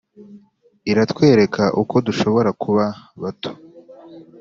iratwereka uko dushobora kuba bato.